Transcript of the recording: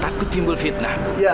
takut timbul fitnah